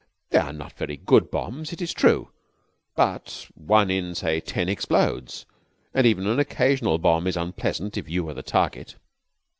They are not very good bombs, it is true, but one in, say, ten explodes, and even an occasional bomb is unpleasant if you are the target.